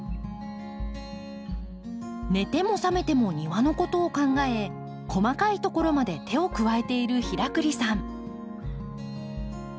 寝ても覚めても庭のことを考え細かいところまで手を加えている平栗さん。